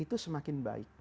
itu semakin baik